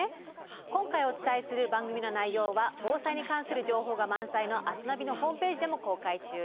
今回お伝えする番組の内容は防災に関する情報が満載の「明日ナビ」のホームページでも公開中です。